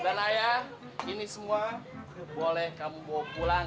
dan ayah ini semua boleh kamu bawa pulang